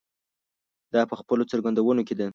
دا په خپلو څرګندونو کې ده.